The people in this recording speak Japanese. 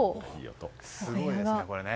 すごいですね。